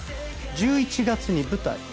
１１月に舞台。